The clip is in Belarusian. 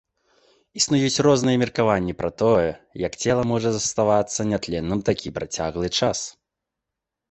Існуюць розныя меркаванні пра тое, як цела можа заставацца нятленным такі працяглы час.